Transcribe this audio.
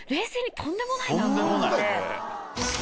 とんでもない。